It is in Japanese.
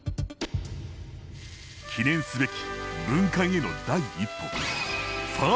記念すべき分解への第一歩。